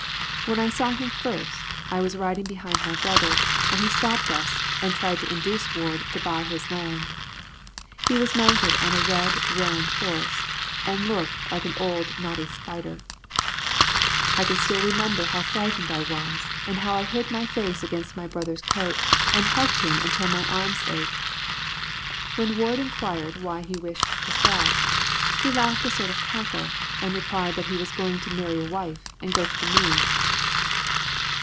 When I saw him first, I was riding behind my brother, and he stopped us and tried to induce Ward to buy his land. He was mounted on a red roan horse, and looked like an old knotty spider. I can still remember how frightened I was, and how I hid my face against my brother's coat and hugged him until my arms ached. When Ward inquired why he wished to sell, he laughed in a sort of cackle, and replied that he was going to marry a wife and go to the moon.